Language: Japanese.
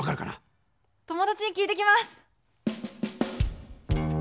友だちに聞いてきます。